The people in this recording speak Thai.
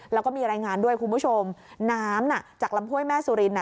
แล้วก็มีรายงานด้วยคุณผู้ชมน้ำน่ะจากลำห้วยแม่สุรินอ่ะ